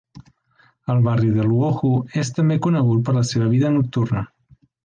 El barri de Luohu és també conegut per la seva vida nocturna.